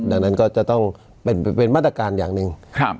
ดังนั้นก็จะต้องเป็นมาตรการอย่างหนึ่ง